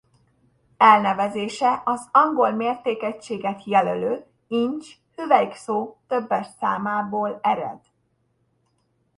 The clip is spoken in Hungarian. Elnevezése az angol mértékegységet jelölő inch ’hüvelyk’ szó többes számából ered.